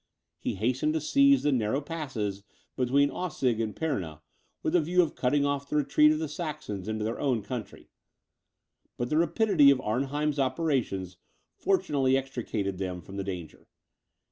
He hastened to seize the narrow passes between Aussig and Pirna, with a view of cutting off the retreat of the Saxons into their own country; but the rapidity of Arnheim's operations fortunately extricated them from the danger.